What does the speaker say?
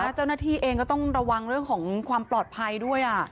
แล้วเจ้าหน้าที่เองก็ต้องระวังเรื่องของความปลอดภัยด้วย